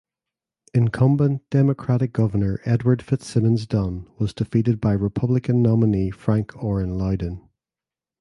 Incumbent Democratic Governor Edward Fitzsimmons Dunne was defeated by Republican nominee Frank Orren Lowden.